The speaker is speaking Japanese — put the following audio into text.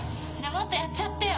もっとやっちゃってよ。